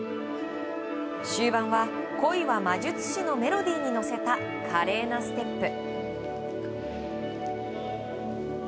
終盤は「恋は魔術師」のメロディーに乗せた華麗なステップ。